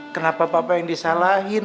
kenapa papa yang disalahin